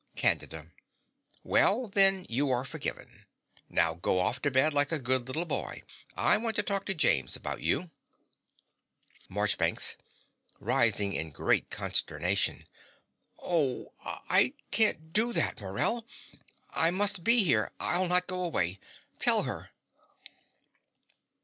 CANDIDA. Well, then, you are forgiven. Now go off to bed like a good little boy: I want to talk to James about you. MARCHBANKS (rising in great consternation). Oh, I can't do that, Morell. I must be here. I'll not go away. Tell her.